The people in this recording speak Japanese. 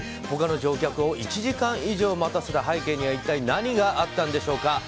他の乗客を１時間以上待たせた背景には一体何があったんでしょうか。